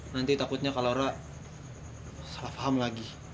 nanti takutnya kak laura salah paham lagi ya